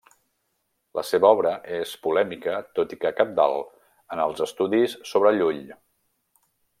La seva obra és polèmica tot i que cabdal en els estudis sobre Llull.